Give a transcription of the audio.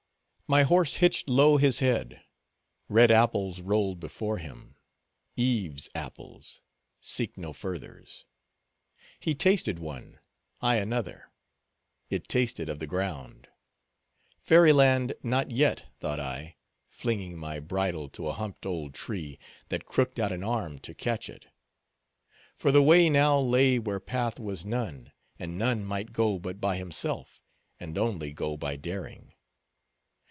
My horse hitched low his head. Red apples rolled before him; Eve's apples; seek no furthers. He tasted one, I another; it tasted of the ground. Fairy land not yet, thought I, flinging my bridle to a humped old tree, that crooked out an arm to catch it. For the way now lay where path was none, and none might go but by himself, and only go by daring.